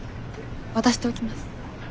渡しておきます。